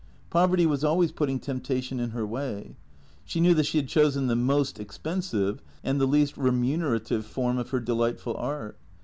Poverty was always putting temptation in her way. She knew that she had chosen the most expensive and the least remunerative form of her delightful art.